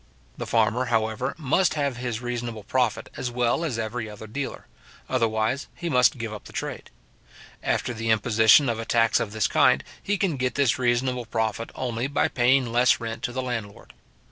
The farmer, however, must have his reasonable profit as well as every other dealer, otherwise he must give up the trade. After the imposition of a tax of this kind, he can get this reasonable profit only by paying less rent to the landlord.